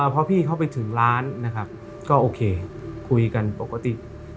พอพี่เขาไปถึงร้านนะครับก็โอเคคุยกันปกติ